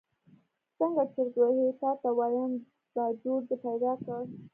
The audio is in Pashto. څنګه چرت وهې تا ته وایم، باجوړ دې پیدا کړ.